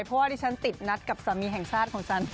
เพราะว่าดิฉันติดนัดกับสามีแห่งชาติของฉัน